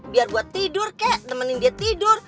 biar gue tidur kek temenin dia tidur